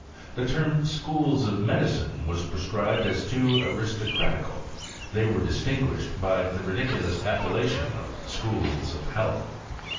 The tenn ac/iooh of medicine was proscribed as too aristo cratieal ; they were distinguished by the ridiculous appellation of schools of health.